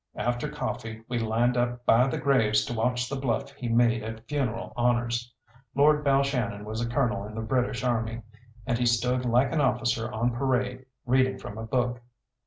After coffee we lined up by the graves to watch the bluff he made at funeral honours. Lord Balshannon was a colonel in the British Army, and he stood like an officer on parade reading from a book.